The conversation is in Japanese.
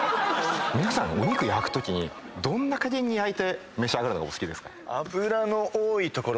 皆さんお肉焼くときにどんな加減に焼いて召し上がるのがお好きですか？